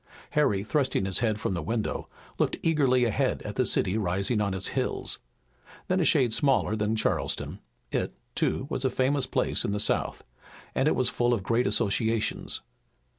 Harry, thrusting his head from the window, looked eagerly ahead at the city rising on its hills. Then a shade smaller than Charleston, it, too, was a famous place in the South, and it was full of great associations.